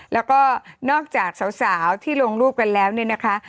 แล้วก็นอกจากสาวที่ลงรูปกันแล้วเนี่ยนะคะ